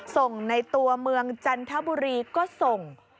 ส่งในตัวเมืองจันทบุรีก็ส่ง